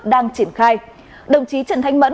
đang triển khai đồng chí trần thanh mẫn